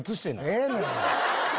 ええねん！